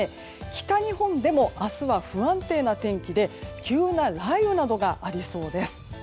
北日本でも明日は不安定な天気で急な雷雨などがありそうです。